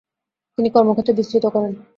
তিনি কর্মক্ষেত্র বিস্তৃত করেন।